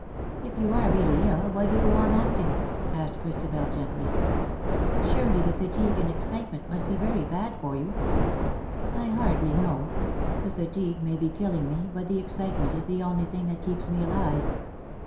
" If you are really ill why do you go on acting ?" asked Christabel, gently. " Surely the fatigue and excitement must be very bad for you.^^ " I hardly know. The fatigue may be killing me, but the excitement is the only thing that keeps me alive.